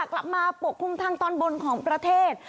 กลับมาปกคลุมทางตอนบนของประเทศ